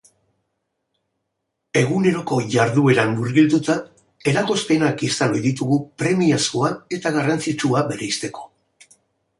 Eguneroko jardueran murgilduta eragozpenak izan ohi ditugu premiazkoa eta garrantzitsua bereizteko.